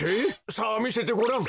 さあみせてごらん！